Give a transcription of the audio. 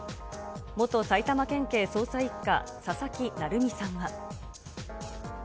元埼玉県警捜査１課、佐々木成三さんは。